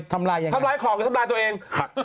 ทำลายยังไงทำลายของกับทำลายตัวเอง